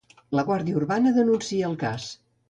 La Guàrdia Urbana denuncia el cas.